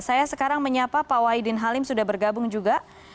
saya sekarang menyapa pak wahidin halim sudah bergabung juga